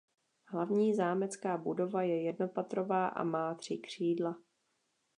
Hlavní zámecká budova je jednopatrová a má tři křídla.